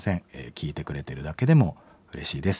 聴いてくれてるだけでもうれしいです。